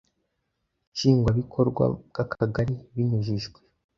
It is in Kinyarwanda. Nshingwabikorwa bw Akagari binyujijwe